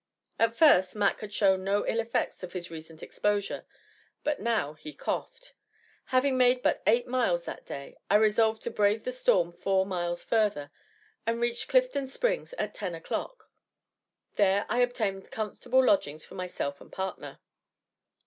At first Mac had shown no ill effects of his recent exposure, but now he coughed. Having made but eight miles that day, I resolved to brave the storm four miles further, and reached Clifton Springs at ten o'clock. There I obtained comfortable lodgings for myself and partner.